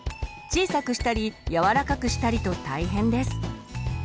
小さくしたり柔らかくしたりと大変です。